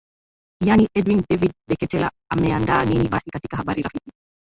iani edwin david deketela ameandaa nini basi katika habari rafiki